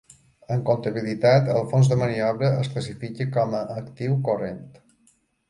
En comptabilitat, el fons de maniobra es classifica com a actiu corrent.